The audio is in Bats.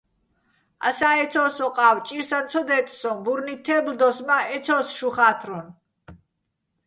ასა́ ეცო́ს ო ყა́ვ, ჭირსაჼ ცო დე́წ სოჼ, ბურნით თე́ბლდოს, მა́ ეცო́ს, შუ ხა́თრუნ.